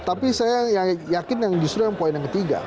tapi saya yakin yang justru yang poin yang ketiga